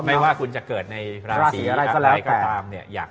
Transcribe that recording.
ไม่ว่าคุณจะเกิดในราศีอะไรก็ตามเนี่ย